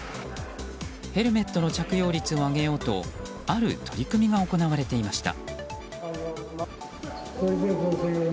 ヘルメットの着用率を上げようとある取り組みが行われていました。